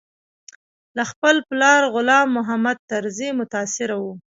له خپل پلار غلام محمد طرزي متاثره و.